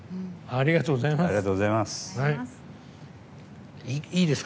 ありがとうございます。